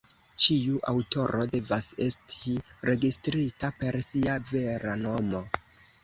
Ĉiu aŭtoro devas esti registrita per sia vera nomo.